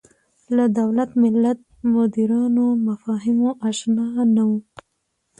له دولت ملت مډرنو مفاهیمو اشنا نه وو